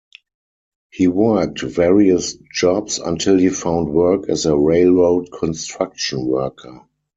He worked various jobs until he found work as a railroad construction worker.